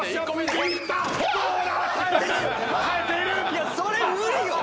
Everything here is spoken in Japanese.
いやそれ無理よ！